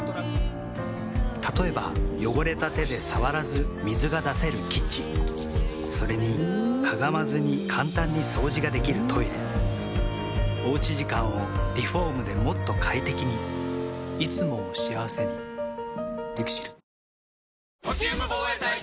例えば汚れた手で触らず水が出せるキッチンそれにかがまずに簡単に掃除ができるトイレおうち時間をリフォームでもっと快適にいつもを幸せにＬＩＸＩＬ。